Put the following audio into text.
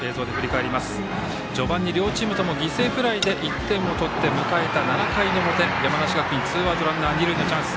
序盤に両チームとも犠牲フライで１点を取って迎えた７回の表、山梨学院ツーアウト、二塁のチャンス。